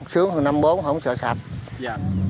sướng hơn năm trăm linh bốn không sợ sạch